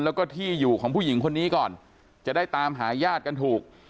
แล้วก็ที่อยู่ของผู้หญิงคนนี้ก่อนจะได้ตามหาญาติกันถูก